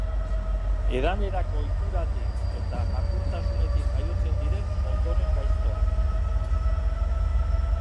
Edanerako ohituratik eta makurtasunetik jaiotzen diren ondoren gaiztoak.